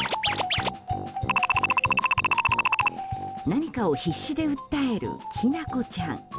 何かを必死で訴えるきなこちゃん。